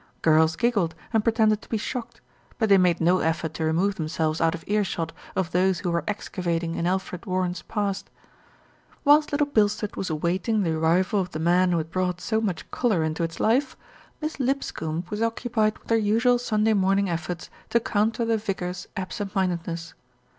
Girls giggled and pretended to be shocked; but they made no effort to remove themselves out of earshot of those who were excavating in Alfred Warren's past. Whilst Little Bilstead was awaiting the arrival of the man who had brought so much colour into its life, LITTLE BILSTEAD GOES TO CHURCH 167 Miss Lipscombe was occupied with her usual Sunday morning efforts to counter the vicar's absent minded ness.